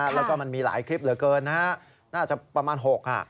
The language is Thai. แล้วก็มันมีหลายคลิปเหลือเกินนะฮะน่าจะประมาณ๖อ่ะ